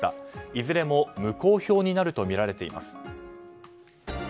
いずれも無効票になるとみられています。